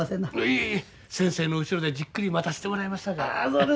いえいえ先生の後ろでじっくり待たせてもらいますさかい。